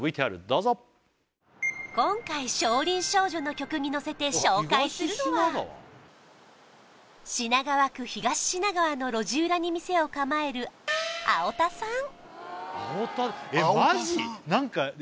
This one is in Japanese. どうぞ今回「少林少女」の曲にのせて紹介するのは品川区東品川の路地裏に店を構えるあおたさん